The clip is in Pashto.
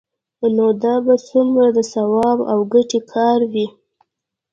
نو دا به څومره د ثواب او ګټې کار وي؟